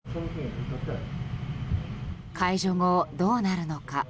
解除後どうなるのか。